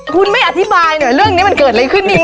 คุณไม่อธิบายหน่อยเรื่องนี้มันเกิดอะไรขึ้นนี่